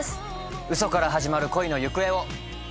嘘から始まる恋の行方を。